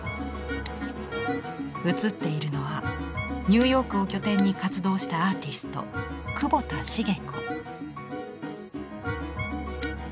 映っているのはニューヨークを拠点に活動したアーティスト久保田成子。